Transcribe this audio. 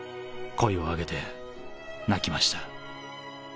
声を上げて泣きました。